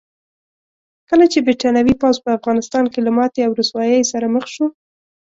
کله چې برتانوي پوځ په افغانستان کې له ماتې او رسوایۍ سره مخ شو.